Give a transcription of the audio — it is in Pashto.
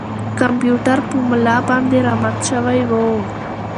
کمپیوټر په ملا باندې را مات شوی و.